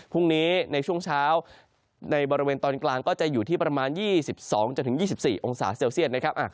ในช่วงเช้าในบริเวณตอนกลางก็จะอยู่ที่ประมาณ๒๒๒๔องศาเซลเซียตนะครับ